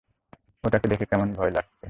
ওটাকে দেখে কেমন ভয় লাগছে!